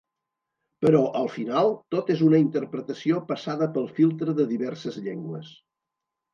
Però, al final, tot és una interpretació passada pel filtre de diverses llengües.